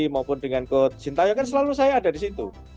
maupun dengan coach sintayo kan selalu saya ada di situ